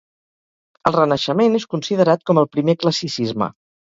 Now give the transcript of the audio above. El Renaixement és considerat com el primer classicisme.